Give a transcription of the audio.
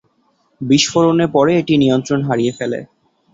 বিস্ফোরণের পরে এটি নিয়ন্ত্রণ হারিয়ে ফেলে।